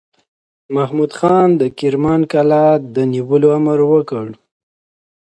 شاه محمود د کرمان قلعه د نیولو امر وکړ.